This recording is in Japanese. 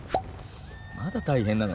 まだ大変なの？